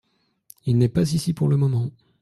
Il n’est pas ici pour le moment.